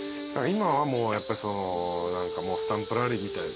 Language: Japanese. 今はやっぱり何かもうスタンプラリーみたいな。